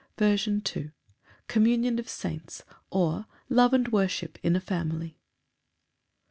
S. M. Communion of saints; or, Love and worship in a family.